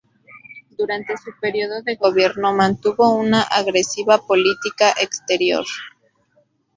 Durante su período de gobierno, mantuvo una agresiva política exterior.